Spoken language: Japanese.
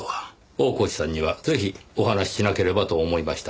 大河内さんにはぜひお話ししなければと思いました。